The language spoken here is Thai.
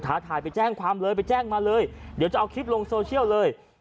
ถ่ายไปแจ้งความเลยไปแจ้งมาเลยเดี๋ยวจะเอาคลิปลงโซเชียลเลย